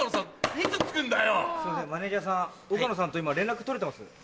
すいませんマネジャーさん岡野さんと今連絡取れてます？